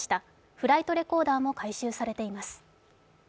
フライトレコーダーも回収されています。